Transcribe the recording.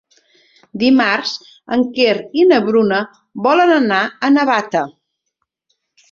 Dimarts en Quer i na Bruna volen anar a Navata.